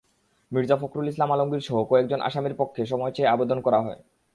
মির্জা ফখরুল ইসলাম আলমগীরসহ কয়েকজন আসামির পক্ষে সময় চেয়ে আবেদন করা হয়।